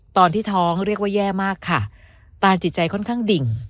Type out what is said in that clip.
ตอนที่ท้องเรียกว่าแย่มากค่ะตานจิตใจค่อนข้างดิ่ง